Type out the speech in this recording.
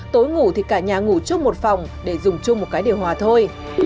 tối ngủ thì cả nhà ngủ trước một phòng để dùng chung một cái điều hòa thôi